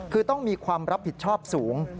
คือต้องมีความรับผิดชอบสูง